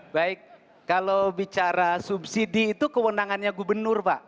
baik kalau bicara subsidi itu kewenangannya gubernur pak